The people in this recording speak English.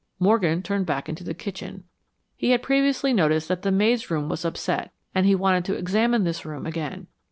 Morgan turned back into the kitchen. He had previously noticed that the maid's room was upset and he wanted to examine this room again.